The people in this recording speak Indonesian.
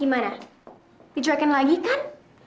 gimana dijuekin lagi kan